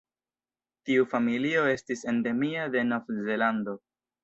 Tiu familio estis endemia de Novzelando.